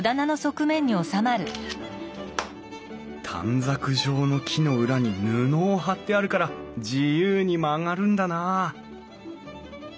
あ短冊状の木の裏に布を貼ってあるから自由に曲がるんだなあ